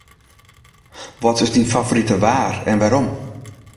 Wat is dyn favorite waar en wêrom?